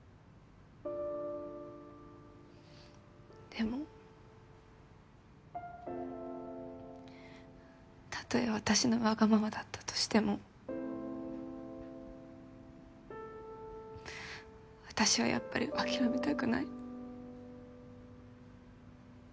でもたとえ私のわがままだったとしても私はやっぱり諦めたくない。